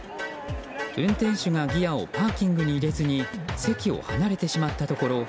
運転手がギアをパーキングに入れずに席を離れてしまったところ